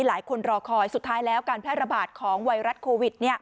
หลายคนรอคอยสุดท้ายแล้วการแพร่ระบาดของไวรัสโควิด